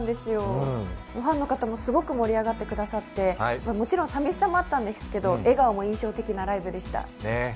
ファンの方もすごい盛り上がってくださって、もちろん寂しさもあったんですけど笑顔も印象的なライブでした。